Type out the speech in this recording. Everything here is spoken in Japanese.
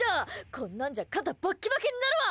こんなんじゃ肩バッキバキになるわ！